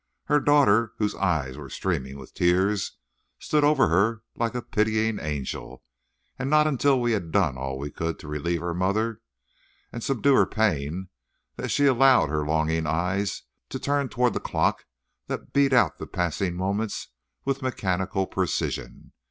Her daughter, whose eyes were streaming with tears, stood over her like a pitying angel, and not till we had done all we could to relieve her mother, and subdue her pain, did she allow her longing eyes to turn toward the clock that beat out the passing moments with mechanical precision.